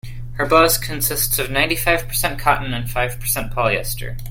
Her blouse consists of ninety-five percent cotton and five percent polyester.